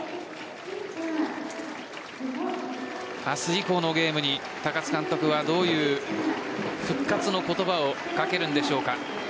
明日以降のゲームに高津監督はどういう復活の言葉を掛けるんでしょうか。